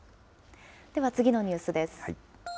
では次のニュースです。